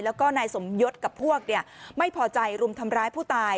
แล้วก็นายสมยศกับพวกไม่พอใจรุมทำร้ายผู้ตาย